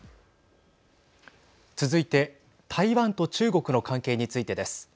続いて台湾と中国の関係についてです。